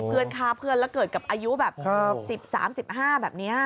เพื่อนฆ่าเพื่อนแล้วเกิดกับอายุแบบ๑๓๑๕แบบนี้